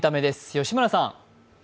吉村さん。